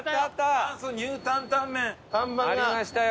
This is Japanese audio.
「元祖ニュータンタンメン」ありましたよ